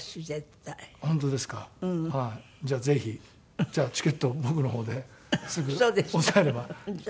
じゃあぜひじゃあチケットを僕の方ですぐ押さえればいいですか？